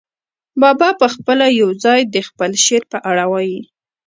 بابا پخپله یو ځای د خپل شعر په اړه وايي.